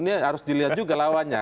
ini harus dilihat juga lawannya